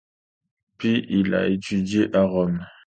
Puis il a étudié à Rome.